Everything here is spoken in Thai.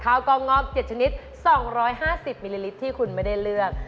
กองงอบ๗ชนิด๒๕๐มิลลิลิตรที่คุณไม่ได้เลือก